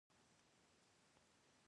خپلې لرغونې سټې ته دې وګوري.